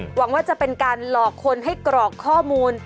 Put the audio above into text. หวังว่าจะเป็นการหลอกคนให้กรอกข้อมูล